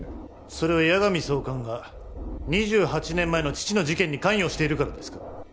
それは矢上総監が２８年前の父の事件に関与しているからですか？